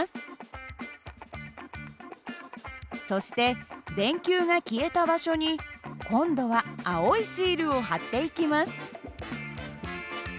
そして電球が消えた場所に今度は青いシールを貼っていきます。